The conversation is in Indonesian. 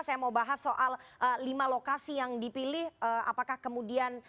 saya mau bahas soal lima lokasi yang dipilih apakah kemudian